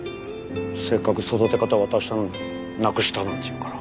せっかく育て方渡したのになくしたなんて言うから。